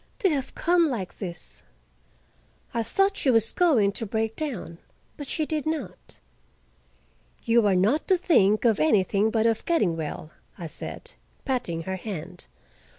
"To have come like this—" I thought she was going to break down, but she did not. "You are not to think of anything but of getting well," I said, patting her hand.